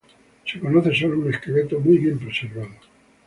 Se conoce solo un esqueleto muy bien preservado.